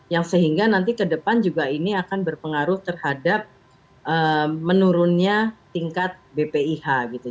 yang sehingga nanti ke depan juga ini akan berpengaruh terhadap menurunnya tingkat bpih gitu